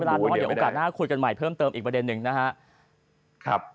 ขอบคุณคุณแพทย์มากเดี๋ยวโอกาสหน้าคุยกันใหม่เพิ่มเติมอีกประเด็นนึงนะฮะ